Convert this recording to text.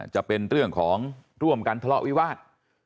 จะเป็นเรื่องของร่วมกันทะเลาะวิวาส